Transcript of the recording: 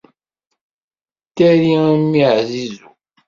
Ddari a mmi ɛzizu.